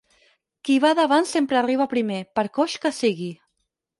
Qui va davant sempre arriba primer, per coix que sigui.